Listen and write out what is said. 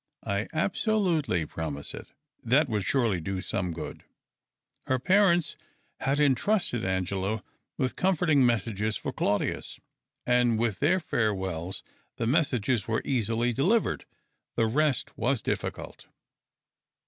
I absolutely promise it." That would surely do some good. Her parents had entrusted Angela with comforting messages for Claudius and with their farewells. The messages were easily delivered : the rest was difficult.